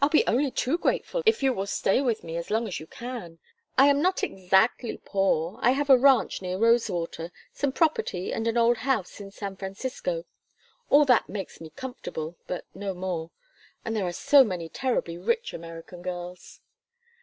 "I'll be only too grateful if you will stay with me as long as you can. I am not exactly poor. I have a ranch near Rosewater, some property and an old house in San Francisco. All that makes me comfortable, but no more; and there are so many terribly rich American girls!"